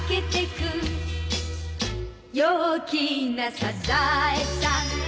「陽気なサザエさん」